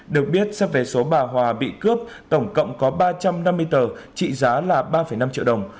được biết sắp về số bà hòa bị cướp tổng cộng có ba trăm năm mươi tờ trị giá là ba năm triệu đồng